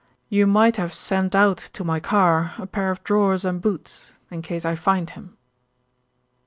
You might have sent out to my car a pair of drawers and boots in case I find him."